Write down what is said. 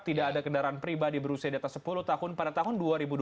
tidak ada kendaraan pribadi berusia di atas sepuluh tahun pada tahun dua ribu dua puluh